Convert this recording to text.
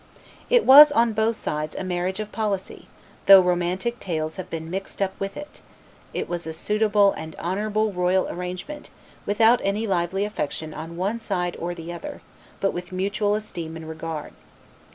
It was, on both sides, a marriage of policy, though romantic tales have been mixed up with it; it was a suitable and honorable royal arrangement, without any lively affection on one side or the other, but with mutual esteem and regard.